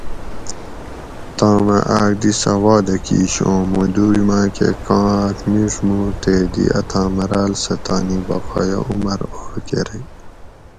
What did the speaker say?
تم اۤ آۤک دی سہۤ وعدہ کِیش اُوں مُوں دوئ ماۤکہ کاں آۤک مِیڛ مُور تے دی اتھاۤں مراۤل سہ تانی بقایا عمر اوڑ کرئ